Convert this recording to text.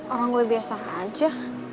orang gue biasa aja